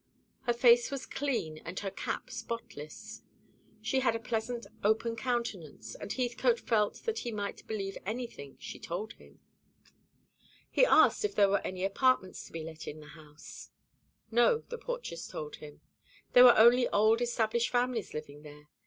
Her face was clean, and her cap spotless. She had a pleasant open countenance, and Heathcote felt that he might believe anything she told him. He asked if there were any apartments to be let in the house. No, the portress told him. There were only old established families living there.